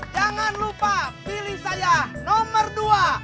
jangan lupa pilih saya nomor dua